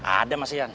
ada mas ian